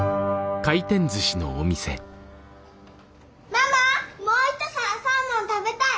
ママもう一皿サーモン食べたい！